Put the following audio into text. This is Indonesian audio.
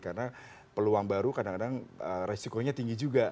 karena peluang baru kadang kadang resikonya tinggi juga